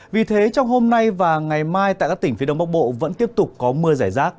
vì thế trong hôm nay và ngày mai tại các tỉnh phía đông bắc bộ vẫn tiếp tục có mưa giải rác